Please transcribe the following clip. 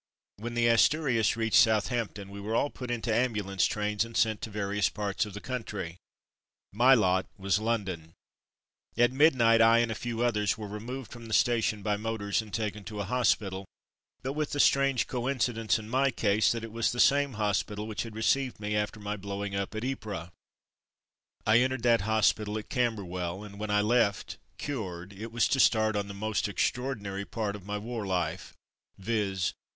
When the Asturias reached Southampton we were all put into ambulance trains and sent to various parts of the country. My lot was London. At midnight I and a few others were removed from the station by motors and taken to a hospital, but with the strange coincidence, in my case, that it was the same hospital which had received me after my blowing up at Ypres. Convalescence 1 41 I entered that hospital at Camberwell, and when I left, cured, it was to start on the most extraordinary part of my war Hfe, viz.